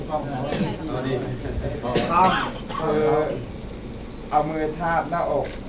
ช่องช่องคือเอามือทาบหน้าอก